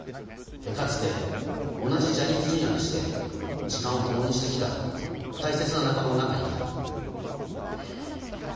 かつて同じジャニーズＪｒ．として時間を共にしてきた大切な仲間の中には。